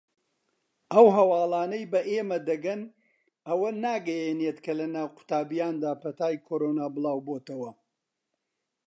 ئەو هەواڵانەی بە ئێمە دەگەن ئەوە ناگەیەنێت کە لەناو قوتابییاندا پەتای کۆرۆنا بڵاوبۆتەوە.